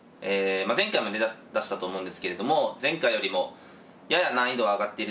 前回もね出したと思うんですけれども前回よりもやや難易度上がっていると思います。